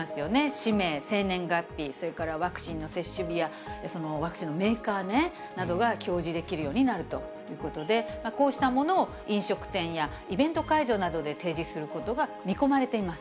氏名、生年月日、それからワクチンの接種日や、ワクチンのメーカーなどが表示できるようになるということで、こうしたものを飲食店やイベント会場などで提示することが見込まれています。